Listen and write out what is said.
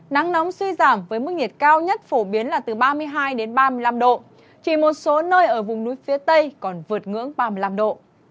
nắng nóng suy giảm với mức nhiệt cao nhất phổ biến là từ ba mươi hai đến ba mươi năm độ chỉ một số nơi ở vùng núi phía tây còn vượt ngưỡng ba mươi năm độ